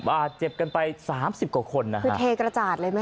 อาจเจ็บกันไป๓๐กว่าคนคือเทกระจาดเลยไหมคะ